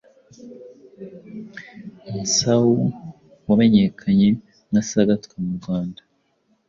N!xau, wamenyekanye nka Sagatwa mu Rwanda,